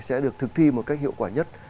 sẽ được thực thi một cách hiệu quả nhất